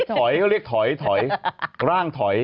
ถอยเขาเรียกถอยถอยร่างถอย